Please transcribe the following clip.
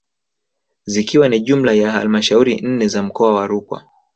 Zikiwa ni jumla ya halmashauri nne za mkoa wa Rukwa